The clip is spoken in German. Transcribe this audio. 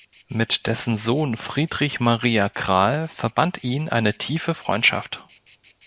Mit dessen Sohn Friedrich Maria Krahe verband ihn eine tiefe Freundschaft.